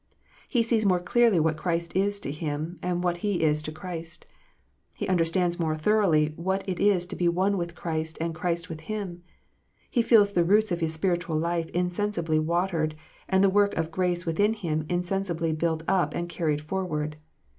He sees more clearly what Christ is to him, and what he is to Christ. He understands more thoroughly what it is to be one with Christ and Christ with him. He feels the roots of his spiritual life insensibly watered, and the work of grace within him insensibly built up and carried forward.